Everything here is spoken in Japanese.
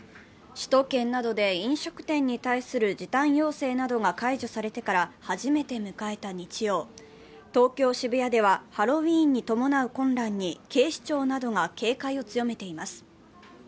首都圏などで飲食店に対する時短要請などが解除されてから初めて迎えた日曜、東京・渋谷ではハロウィーンに伴う混乱に警視庁などが警戒を強めています。